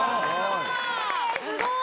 すごい。